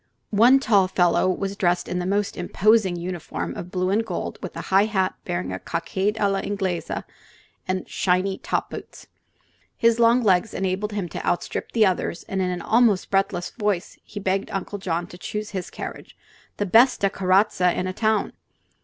One tall fellow was dressed in a most imposing uniform of blue and gold, with a high hat bearing a cockade a la Inglese and shiny top boots. His long legs enabled him to outstrip the others, and in an almost breathless voice he begged Uncle John to choose his carriage: "the besta carrozza ina town!"